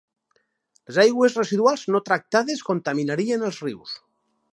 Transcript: Les aigües residuals no tractades contaminarien els rius.